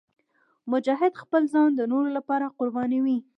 مجاهد خپل ځان د نورو لپاره قربانوي.